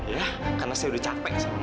ya karena saya udah capek sama mama